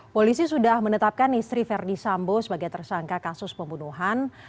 polisi sudah menetapkan istri verdi sambo sebagai tersangka kasus pembunuhan